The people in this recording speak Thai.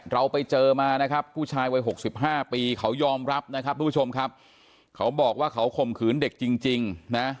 เราไปเจอมานะครับผู้ชายวัย๖๕ปีเขายอมรับนะครับทุกผู้ชมครับเขาบอกว่าเขาข่มขืนเด็กจริงนะ